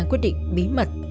quyết định bí mật